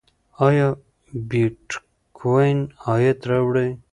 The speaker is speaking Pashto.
ایا بېټکوین عاید راوړي؟